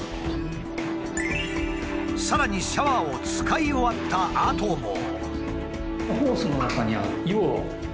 さらにシャワーを使い終わったあとも。